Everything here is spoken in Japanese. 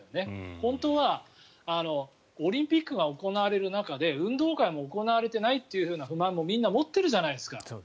本当はオリンピックが行われる中で運動会も行われていないという不満もみんな持っているじゃないですか。